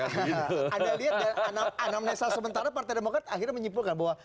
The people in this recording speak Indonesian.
anda lihat dan anamnesa sementara partai demokrat akhirnya menyimpulkan bahwa